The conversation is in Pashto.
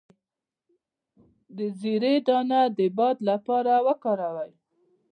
د زیرې دانه د باد لپاره وکاروئ